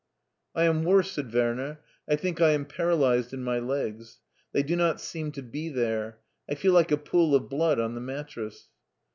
" I am worse/' said Werner ;I think I am para lyzed in my legs. They do not seem to be there. I fed like a pool of blood on the mattress."